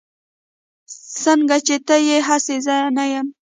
سنګه چې ته يي هسې زه نه يم